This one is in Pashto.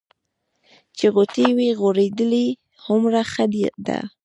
چې غوټۍ وي غوړېدلې هومره ښه ده.